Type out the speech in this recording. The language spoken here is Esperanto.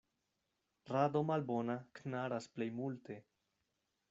Rado malbona knaras plej multe.